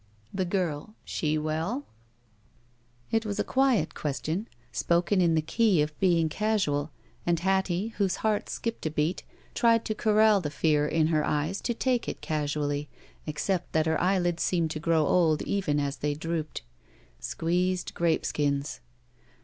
'^Thegirl. She well?" It was a quiet question, spoken in the key of being casual, and Hattie, whose heart skipped a i6z THE SMUDGE beat, tried to corral the fear in her eyes to take it casually, except that her eyelids seemed to grow old even as they drooped. Squeezed grape skins.